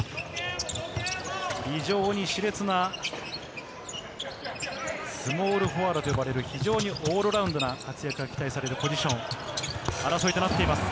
非常にし烈なスモールフォワードと呼ばれる非常にオールラウンドな活躍が期待されるポジションの争いとなっています。